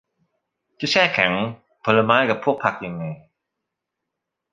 จะแช่แข็งผลไม้กับพวกผักยังไง